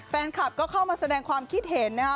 แฟนคลับก็เข้ามาแสดงความคิดเห็นนะคะ